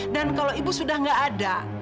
dan kalau ibu sudah tidak ada